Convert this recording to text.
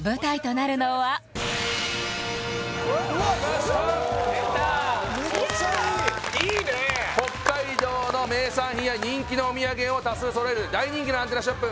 なるほどな北海道の名産品や人気のお土産を多数揃える大人気のアンテナショップ